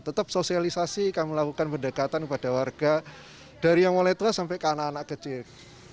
tetap sosialisasi kami lakukan pendekatan kepada warga dari yang mulai tua sampai ke anak anak kecil